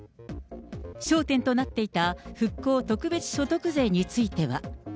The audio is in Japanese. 焦点となっていた復興特別所得税については。